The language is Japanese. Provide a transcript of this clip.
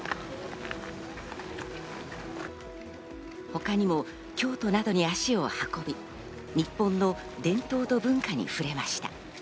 他にも京都などに足を運び、日本の伝統と文化に触れました。